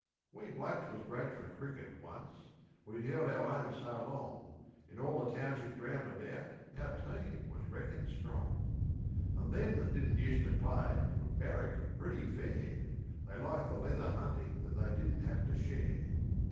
We blokes was great for cricket once, we'd held our own so long, In all the townships round about our team was reckoned strong; And them that didn't use to play could barrack pretty fair, They liked the leather hunting that they didn't have to share.